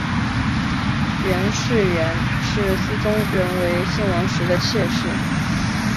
袁氏原是思宗仍为信王时的妾室。